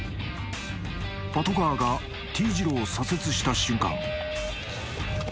パトカーがＴ字路を左折した瞬間